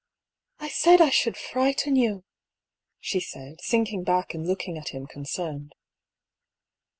I said I should frighten you !" she said, sinking back and looking at him concerned.